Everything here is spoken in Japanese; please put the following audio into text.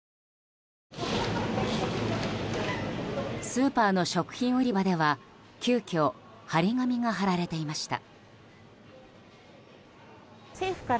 スーパーの食品売り場では急きょ貼り紙が張られていました。